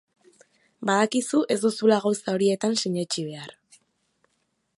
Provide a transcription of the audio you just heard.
Badakizu ez duzula gauza horietan sinetsi behar.